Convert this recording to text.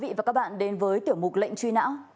xin chào các bạn đến với tiểu mục lệnh truy nã